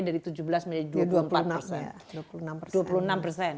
dari tujuh belas menjadi dua puluh enam dua puluh enam persen